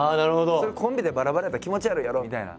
それコンビでバラバラやったら気持ち悪いやろみたいな。